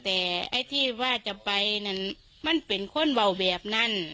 แต่ไอ้ที่ว่าจะไปนั่นมันเป็นคนเบาแบบนั้น